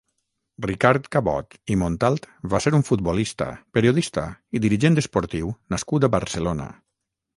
Ricard Cabot i Montalt va ser un futbolista, periodista i dirigent esportiu nascut a Barcelona.